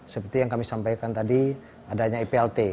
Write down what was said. seperti yang kami sampaikan tadi adanya iplt